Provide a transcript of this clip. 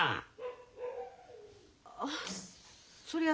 ああそりゃ